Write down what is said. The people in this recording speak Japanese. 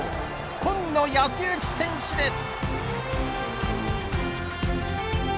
今野泰幸選手です。